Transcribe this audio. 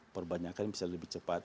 perbanyakan bisa lebih cepat